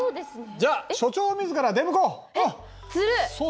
じゃあ所長みずから出向こう。